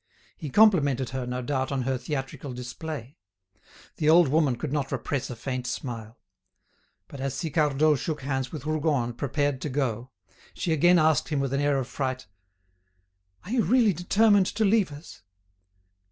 He complimented her, no doubt, on her theatrical display. The old woman could not repress a faint smile. But, as Sicardot shook hands with Rougon and prepared to go, she again asked him with an air of fright: "Are you really determined to leave us?"